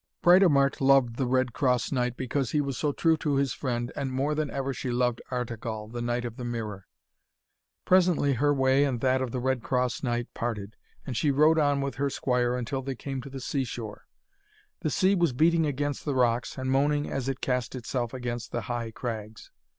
Britomart loved the Red Cross Knight because he was so true to his friend, and more than ever she loved Artegall, the knight of the Mirror. Presently her way and that of the Red Cross Knight parted, and she rode on with her squire until they came to the sea shore. The sea was beating against the rocks, and moaning as it cast itself against the high crags.